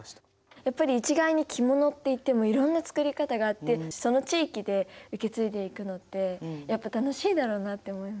やっぱり一概に着物っていってもいろんな作り方があってその地域で受け継いでいくのってやっぱ楽しいだろうなって思いました。